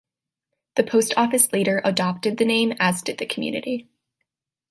The post office later adopted the name, as did the community.